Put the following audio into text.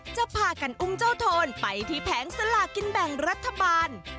จะพากันอุ้มเจ้าโทนไปที่แผงสลากินแบ่งรัฐบาล